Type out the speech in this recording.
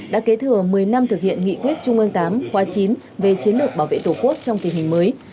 đã kế thừa một mươi năm thực hiện nghị quyết trung ương tám khóa chín về chiến lược bảo vệ tổ quốc trong tình hình mới